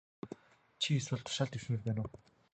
Чи эсвэл тушаал дэвшмээр байна уу?